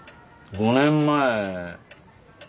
５年前？